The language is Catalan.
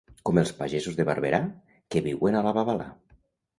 Com els pagesos de Barberà, que viuen a la babalà.